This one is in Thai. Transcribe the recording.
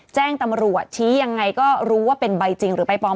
แจ้งตำรวจชี้ยังไงก็รู้ว่าเป็นใบจริงหรือใบปลอม